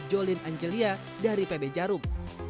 jolin angelia dari pb jarum